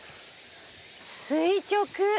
垂直。